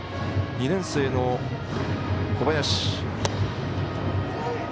２年生の小林。